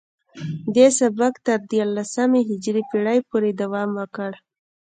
دې سبک تر دیارلسمې هجري پیړۍ پورې دوام وکړ